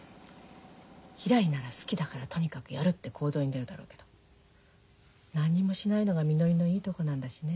ひらりなら好きだからとにかくやるって行動に出るだろうけど何にもしないのがみのりのいいとこなんだしね。